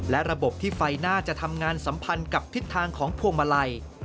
และระบบที่ไฟน่าจะทำงานสัมพันธ์กับทิศทางของพวงมาลัย